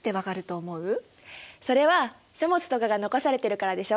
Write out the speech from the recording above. それは書物とかが残されてるからでしょ。